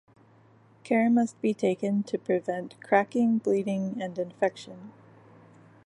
Care must be taken to prevent cracking, bleeding, and infection.